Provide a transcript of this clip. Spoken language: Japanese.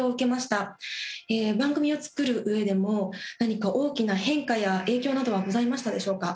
番組を作る上でも何か大きな変化や影響などはございましたでしょうか？